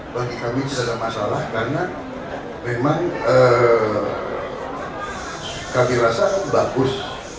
bagi kami tidak ada masalah karena memang kami rasa bagus